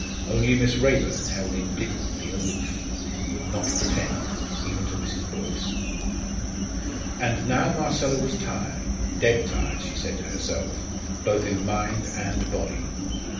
Only Miss Raeburn held indignantly aloof, and would not pretend, even to Mrs. Boyce. And now Marcella was tired dead tired, she said to herself, both in mind and body.